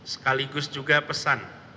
sekaligus juga pesan